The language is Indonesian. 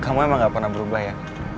kamu emang gak pernah berubah ya